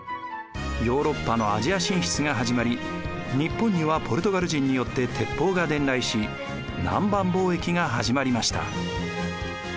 ヨーロッパのアジア進出が始まり日本にはポルトガル人によって鉄砲が伝来し南蛮貿易が始まりました。